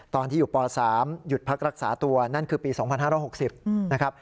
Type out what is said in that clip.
ตอนที่อยู่ป๓หยุดพักรักษาตัวนั่นคือปี๒๕๖๐นะครับ